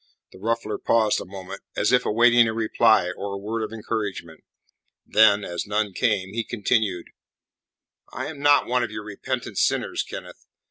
The ruffler paused a moment, as if awaiting a reply or a word of encouragement. Then, as none came, he continued: "I am not one of your repentant sinners, Kenneth.